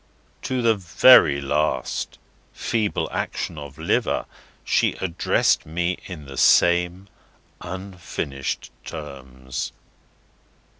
To the very last (feeble action of liver), she addressed me in the same unfinished terms."